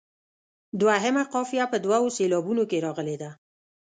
دوهمه قافیه په دوو سېلابونو کې راغلې ده.